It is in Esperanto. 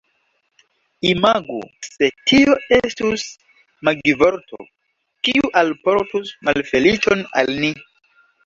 Imagu se tio estus magivorto, kiu alportus malfeliĉon al ni.